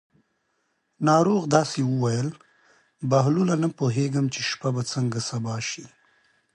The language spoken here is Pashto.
ناروغ داسې وویل: بهلوله نه پوهېږم چې شپه به څنګه سبا شي.